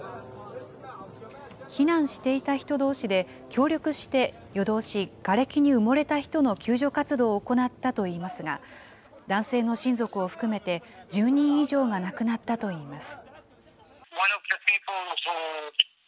避難していた人どうしで協力して夜通し、がれきに埋もれた人の救助活動を行ったといいますが、男性の親族を含めて１０人以上が亡くなったといいます。